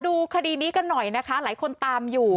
ดูคดีนี้กันหน่อยนะคะหลายคนตามอยู่